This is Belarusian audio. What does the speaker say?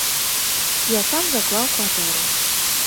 Я сам заклаў кватэру.